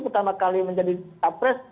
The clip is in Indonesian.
pertama kali menjadi capres